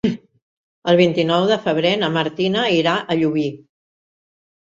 El vint-i-nou de febrer na Martina irà a Llubí.